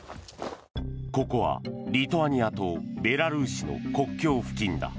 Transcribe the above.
ここはリトアニアとベラルーシの国境付近だ。